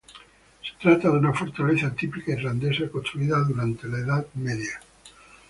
Se trata de una fortaleza típica irlandesa construida durante la Edad Media.